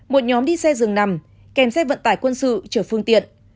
một nhóm đi xe dừng nằm kèm xe vận tải quân sự chở phương tiện